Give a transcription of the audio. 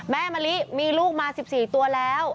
มะลิมีลูกมา๑๔ตัวแล้ว